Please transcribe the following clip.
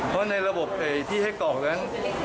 เพราะในระบบที่ให้กรอกนั้น